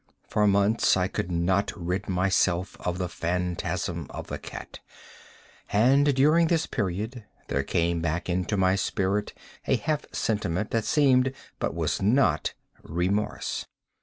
For months I could not rid myself of the phantasm of the cat; and, during this period, there came back into my spirit a half sentiment that seemed, but was not, remorse.